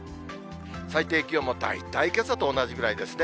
最低気温も大体けさと同じぐらいですね。